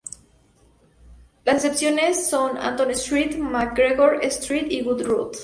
Las excepciones son Anton Street, McGregor Street y Wood Road.